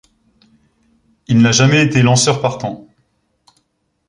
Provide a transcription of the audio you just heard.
Il n'a jamais été lanceur partant.